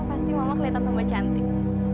pasti mama kelihatan tambah cantik